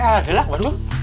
eh udah lah bantu